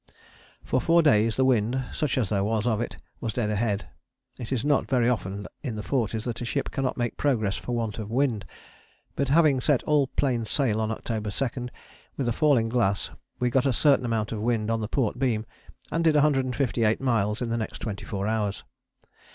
For four days the wind, such as there was of it, was dead ahead; it is not very often in the Forties that a ship cannot make progress for want of wind. But having set all plain sail on October 2 with a falling glass we got a certain amount of wind on the port beam, and did 158 miles in the next twenty four hours.